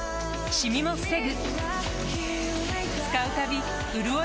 シミも防ぐ